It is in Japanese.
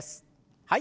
はい。